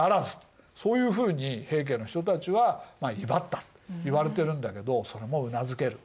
そういうふうに平家の人たちは威張ったといわれてるんだけどそれもうなずける。